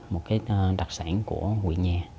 một cái đặc sản của quỷ nhà